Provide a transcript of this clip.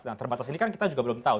nah terbatas ini kan kita juga belum tahu